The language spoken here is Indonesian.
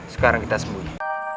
sekarang kita sembunyi